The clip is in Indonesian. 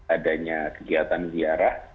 adanya kegiatan ziarah